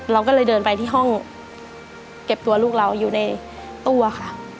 เราก็เลยเดินไปที่ห้องเก็บตัวลูกเราอยู่ในตู้อะค่ะ